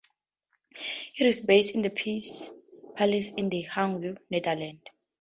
It is based in the Peace Palace in The Hague, Netherlands.